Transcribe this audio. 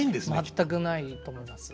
全くないと思います。